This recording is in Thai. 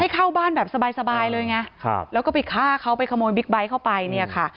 เข้าบ้านแบบสบายเลยไงครับแล้วก็ไปฆ่าเขาไปขโมยบิ๊กไบท์เข้าไปเนี่ยค่ะ